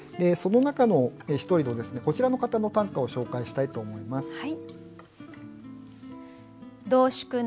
その中の一人のこちらの方の短歌を紹介したいと思います。